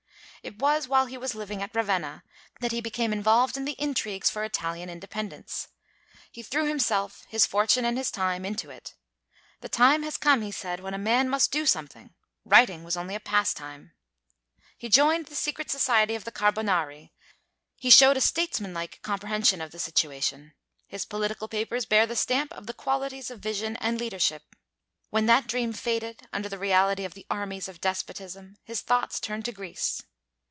It was while he was living at Ravenna that he became involved in the intrigues for Italian independence. He threw himself, his fortune and his time, into it. The time has come, he said, when a man must do something writing was only a pastime. He joined the secret society of the Carbonari; he showed a statesmanlike comprehension of the situation; his political papers bear the stamp of the qualities of vision and leadership. When that dream faded under the reality of the armies of despotism, his thoughts turned to Greece.